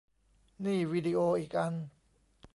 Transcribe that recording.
นี่วิดีโออีกอัน